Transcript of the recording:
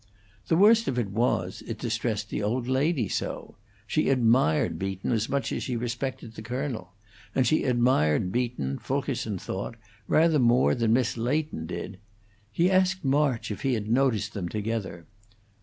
The worst of it was, it distressed the old lady so; she admired Beaton as much as she respected the colonel, and she admired Beaton, Fulkerson thought, rather more than Miss Leighton did; he asked March if he had noticed them together.